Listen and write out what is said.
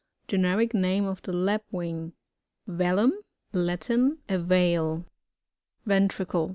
— Generic name of the Lapwing. Velum. — Latin. A veil. Vkntricle.